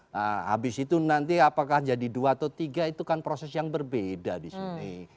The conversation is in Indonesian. nah habis itu nanti apakah jadi dua atau tiga itu kan proses yang berbeda di sini